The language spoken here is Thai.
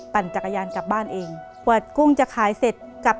เปลี่ยนเพลงเพลงเก่งของคุณและข้ามผิดได้๑คำ